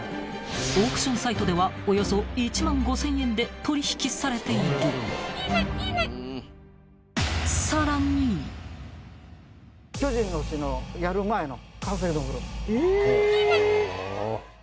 ［オークションサイトではおよそ１万５，０００円で取引されている］え！